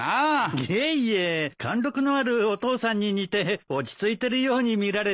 いえいえ貫禄のあるお父さんに似て落ち着いてるように見られたんですよ。